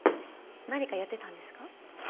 何かやってたんですか？